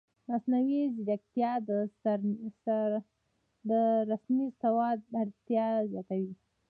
مصنوعي ځیرکتیا د رسنیز سواد اړتیا زیاتوي.